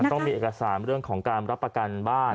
ต้องมีเอกสารเรื่องของการรับประกันบ้าน